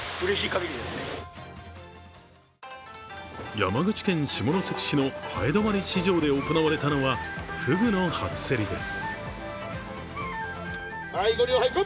山口県下関市の南風泊市場で行われたのはふぐの初競りです。